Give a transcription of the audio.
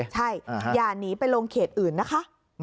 ใช่อย่าหนีไปลงเขตอื่นนะคะ